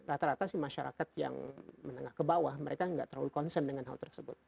rata rata sih masyarakat yang menengah ke bawah mereka nggak terlalu concern dengan hal tersebut